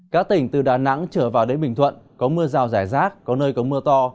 các tỉnh từ đà nẵng trở vào đến bình thuận có mưa rào rải rác có nơi có mưa to